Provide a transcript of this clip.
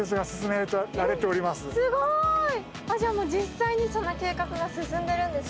すごい！じゃあ実際にその計画が進んでるんですね。